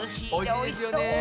おいしいですよね。